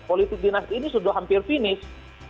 politik dinasti ini sudah hampir finish